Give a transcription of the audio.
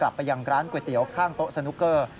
ไปยังร้านก๋วยเตี๋ยวข้างโต๊ะสนุกเกอร์